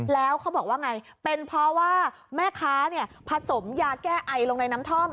แล้วเขาบอกว่าไงเป็นเพราะว่าแม่ค้าเนี่ยผสมยาแก้ไอลงในน้ำท่อม